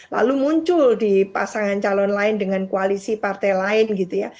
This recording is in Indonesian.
lalu muncul di pasangan calon lain dengan koalisi partai lain gitu ya